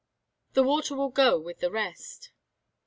"The water will go with the rest."